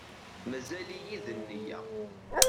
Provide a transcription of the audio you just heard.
Mazal-iyi d nneyya.